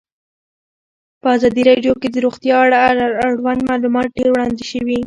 په ازادي راډیو کې د روغتیا اړوند معلومات ډېر وړاندې شوي.